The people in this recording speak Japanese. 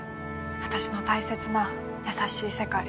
私の大切な優しい世界。